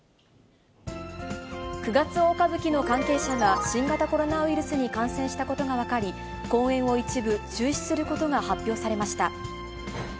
九月大歌舞伎の関係者が新型コロナウイルスに感染したことが分かり、公演を一部中止することが発表されました。